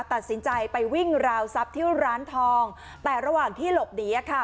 ตัดสินใจไปวิ่งราวทรัพย์ที่ร้านทองแต่ระหว่างที่หลบหนีอ่ะค่ะ